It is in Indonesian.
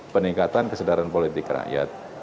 peningkatan kesedaran politik rakyat